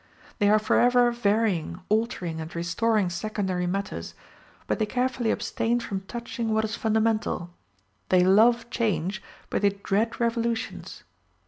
They are forever varying, altering, and restoring secondary matters; but they carefully abstain from touching what is fundamental. They love change, but they dread revolutions.